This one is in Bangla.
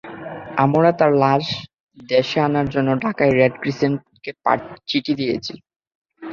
আমরা তার লাশ দেশে আনার জন্য ঢাকায় রেড ক্রিসেন্টকে চিঠি দিয়েছি।